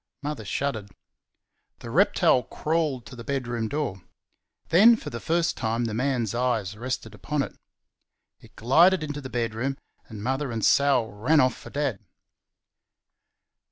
Mother shuddered. The reptile crawled to the bedroom door. Then for the first time the man's eyes rested upon it. It glided into the bedroom, and Mother and Sal ran off for Dad.